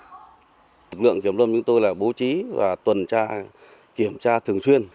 từ khi xây dựng phương án giao khoán rừng cho các hộ chí và tuần tra kiểm tra thường xuyên